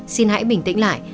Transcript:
xin hãy bình tĩnh lại